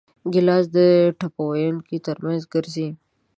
ګیلاس د ټپه ویونکو ترمنځ ګرځي.